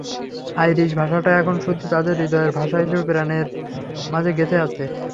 Irish ভাষাটা এখন শুধু তাদের হৃদয়ের ভাষা হিসেবে প্রাণের মাঝে গেঁথে আছে।